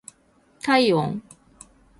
体温